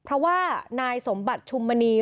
เพราะว่านายสมบัติชุมมณี